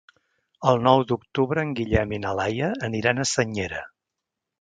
El nou d'octubre en Guillem i na Laia aniran a Senyera.